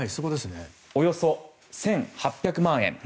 およそ１８００万円。